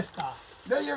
大丈夫。